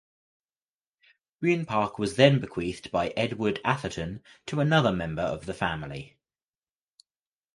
Green Park was then bequeathed by Edward Atherton to another member of the family.